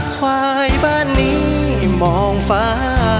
ควายบ้านนี้มองฟ้า